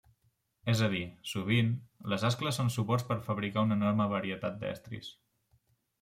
És a dir, sovint, les ascles són suports per fabricar una enorme varietat d'estris.